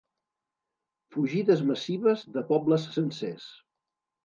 Fugides massives de pobles sencers.